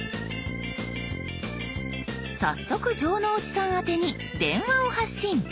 早速城之内さん宛てに電話を発信。